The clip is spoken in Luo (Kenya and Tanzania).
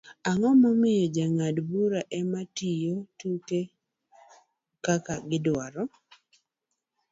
ang'o momiyo jong'ad - bura ema tayo tuke kaka gidwaro?